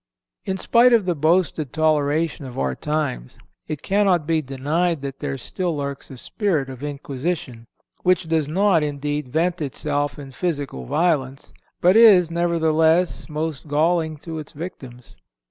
In spite of the boasted toleration of our times, it cannot be denied that there still lurks a spirit of inquisition, which does not, indeed, vent itself in physical violence, but is, nevertheless, most galling to its victims.